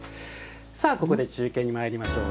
さあここで中継にまいりましょう。